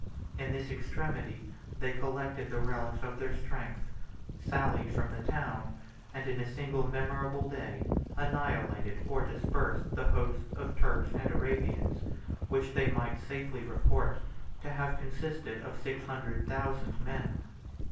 93 In this extremity they collected the relics of their strength, sallied from the town, and in a single memorable day, annihilated or dispersed the host of Turks and Arabians, which they might safely report to have consisted of six hundred thousand men.